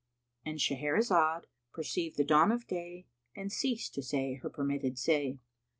"—And Shahrazad perceived the dawn of day and ceased to say her permitted say.